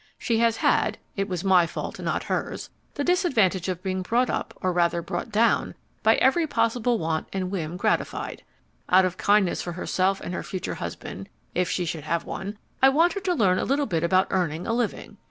She has had (it was my fault, not hers) the disadvantage of being brought up, or rather brought down, by having every possible want and whim gratified. Out of kindness for herself and her future husband, if she should have one, I want her to learn a little about earning a living.